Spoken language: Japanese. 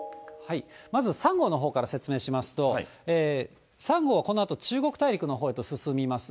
まず３号のほうから説明しますと、３号はこのあと、中国大陸のほうへと進みます。